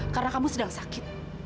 karena kamu sedang sakit